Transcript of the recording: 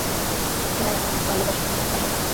কিনাই আমায় ভালোবাসে, বাসে না।